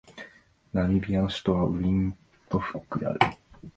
ナミビアの首都はウィントフックである